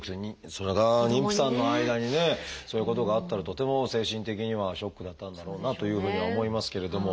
それが妊婦さんの間にねそういうことがあったらとても精神的にはショックだったんだろうなというふうには思いますけれども。